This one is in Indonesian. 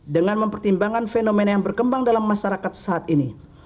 dengan mempertimbangkan fenomena yang berkembang dalam masyarakat saat ini